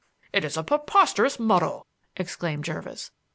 "It is a preposterous muddle," exclaimed Jervis.